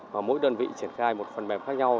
và mỗi đơn vị triển khai một phần mềm khác nhau